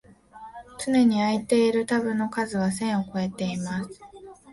つねに開いているタブの数は千をこえてます